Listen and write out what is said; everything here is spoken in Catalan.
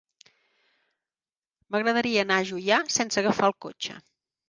M'agradaria anar a Juià sense agafar el cotxe.